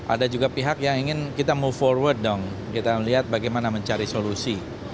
ada juga pihak yang ingin kita mau forward dong kita melihat bagaimana mencari solusi